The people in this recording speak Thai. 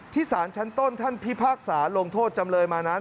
สารชั้นต้นท่านพิพากษาลงโทษจำเลยมานั้น